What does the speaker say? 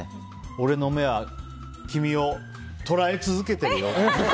俺の目は君を捉え続けてるよ。